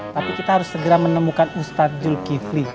tapi kita harus segera menemukan ustadz zulkifli